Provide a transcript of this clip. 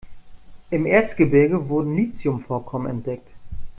Im Erzgebirge wurden Lithium-Vorkommen entdeckt.